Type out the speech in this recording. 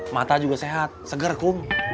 mata juga sehat seger kum